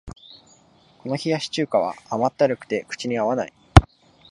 この冷やし中華は甘ったるくて口に合わない